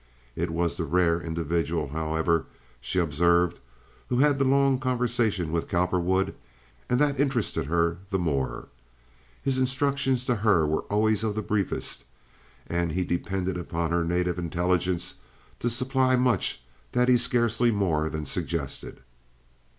It was the rare individual, however, she observed, who had the long conversation with Cowperwood, and that interested her the more. His instructions to her were always of the briefest, and he depended on her native intelligence to supply much that he scarcely more than suggested.